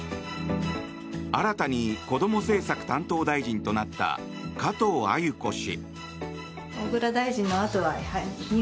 新たにこども政策担当大臣となった加藤鮎子氏。